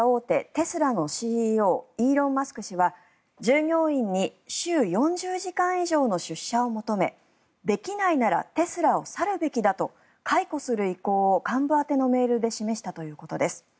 テスラのＣＥＯイーロン・マスク氏は従業員に週４０時間以上の出社を求めできないならテスラを去るべきだと解雇する意向を幹部宛てのメールで記したということです。